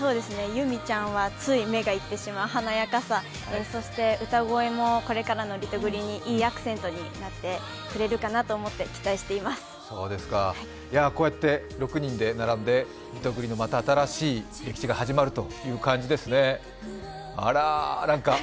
結海ちゃんは、つい目がいってしまう華やかさ、そして歌声もこれからのリトグリにいいアクセントになってくれるかなと思ってこうやって６人で並んでリトグリの新しい歴史が始まるという感じですね。